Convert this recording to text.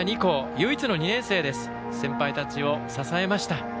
唯一の２年生、先輩たちを支えました。